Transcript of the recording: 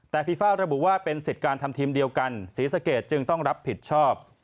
แต่ฟีฟ่าระบุว่าเป็นสิทธิ์การทำทีมเดียวกันศรีสะเกดจึงต้องรับผิดชอบ